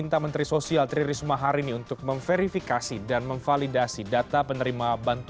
terima kasih selamat malam